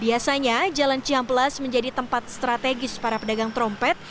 biasanya jalan cihamplas menjadi tempat strategis para pedagang trompet